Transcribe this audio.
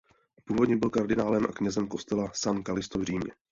Původně byl kardinálem a knězem kostela San Callisto v Římě.